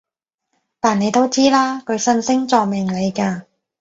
但你都知啦，佢信星座命理嘅